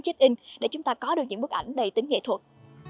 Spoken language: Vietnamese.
check in để chúng ta có được những bức ảnh đầy tính nghệ thuật